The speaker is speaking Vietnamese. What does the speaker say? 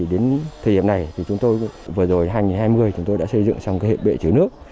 đến thời điểm này chúng tôi vừa rồi hai nghìn hai mươi chúng tôi đã xây dựng xong hệ bệ chứa nước